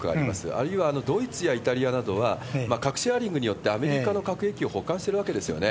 あるいは、ドイツやイタリアなどは、核シェアリングによって、アメリカの核兵器を保管してるわけですよね。